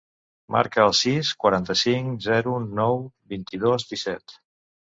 Marca el sis, quaranta-cinc, zero, nou, vint-i-dos, disset.